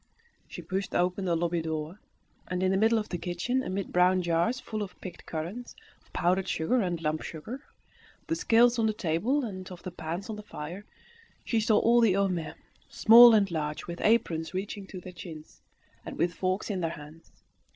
She pushed open the lobby door, and in the middle of the kitchen, amid brown jars full of picked currants, of powdered sugar and lump sugar, of the scales on the table, and of the pans on the fire, she saw all the Homais, small and large, with aprons reaching to their chins, and with forks in their hands.